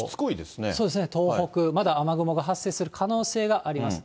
そうですね、東北、まだ雨雲が発生する可能性があります。